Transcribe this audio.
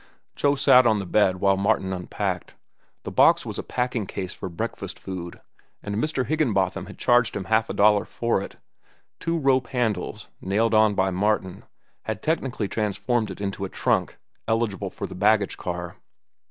Joe sat on the bed while Martin unpacked. The box was a packing case for breakfast food, and Mr. Higginbotham had charged him half a dollar for it. Two rope handles, nailed on by Martin, had technically transformed it into a trunk eligible for the baggage car.